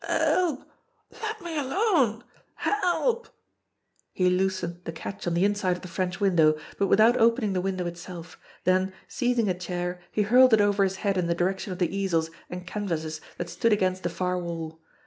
"Help! Let me alone! Help!" He loosened the catch on the inside of the French window, but without opening the window itself ; then, seizing a chair, he hurled it over his head in the direction of the easels and canvases that stood against the far wall.